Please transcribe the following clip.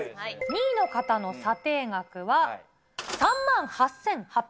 ２位の方の査定額は３万８８００円。